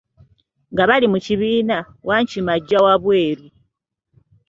Nga bali mu kibiina, wankima agya wa bweru.